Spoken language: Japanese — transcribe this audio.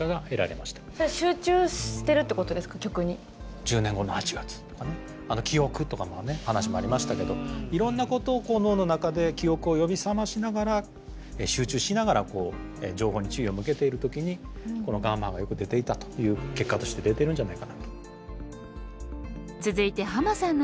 １０年後の８月とかね記憶とかの話もありましたけどいろんなことを脳の中で記憶を呼び覚ましながら集中しながらこう情報に注意を向けている時にこのガンマがよく出ていたという結果として出ているんじゃないかなと。